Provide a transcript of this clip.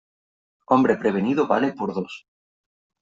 Hombre prevenido vale por dos.